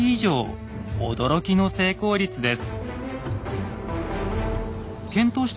驚きの成功率です。